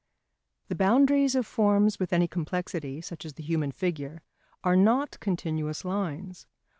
] The boundaries of forms with any complexity, such as the human figure, are not continuous lines.